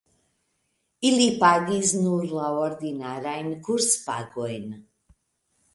Ili pagis nur la ordinarajn kurspagojn.